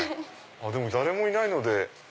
でも誰もいないので。